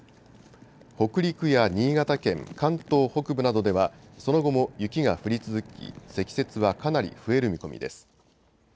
北陸や新潟県、関東北部などではその後も雪が降り続き、積雪はかなり増える見込みです。